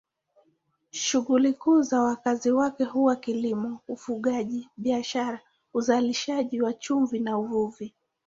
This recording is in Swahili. Shughuli kuu za wakazi wake ni kilimo, ufugaji, biashara, uzalishaji wa chumvi na uvuvi.